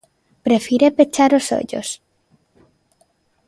Prefire pechar os ollos.